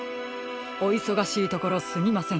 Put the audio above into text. おいそがしいところすみません。